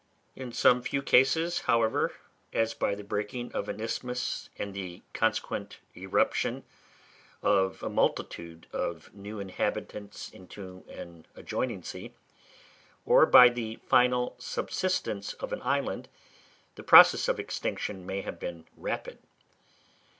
In some few cases, however, as by the breaking of an isthmus and the consequent irruption of a multitude of new inhabitants into an adjoining sea, or by the final subsidence of an island, the process of extinction may have been rapid.